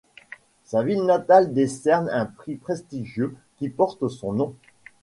Sa ville natale décerne un prix prestigieux qui porte son nom.